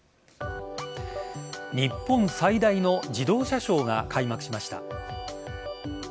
日本最大の自動車ショーが開幕しました。